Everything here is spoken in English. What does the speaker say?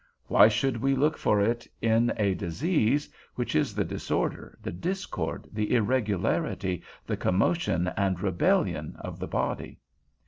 Why should we look for it in a disease, which is the disorder, the discord, the irregularity, the commotion and rebellion of the body?